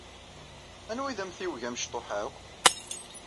Anwa ay d amtiweg amecṭuḥ akk?